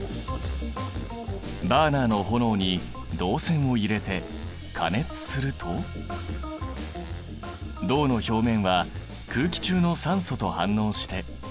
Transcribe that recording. バーナーの炎に銅線を入れて加熱すると銅の表面は空気中の酸素と反応して黒く変わった。